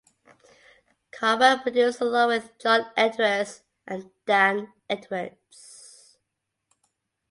Karvan produced along with John Edwards and Dan Edwards.